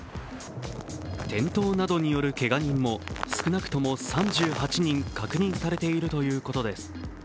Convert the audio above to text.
転倒などによるけが人も少なくとも３８人確認されているということです。